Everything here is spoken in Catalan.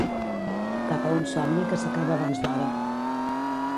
Cap a un somni que s'acaba abans d'hora.